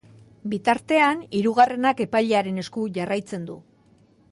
Bitartean, hirugarrenak epailearen esku jarraitzen du.